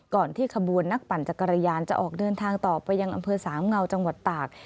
ที่ขบวนนักปั่นจักรยานจะออกเดินทางต่อไปยังอำเภอสามเงาจังหวัดตาก